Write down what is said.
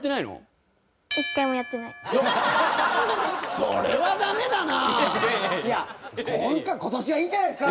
それはダメだな。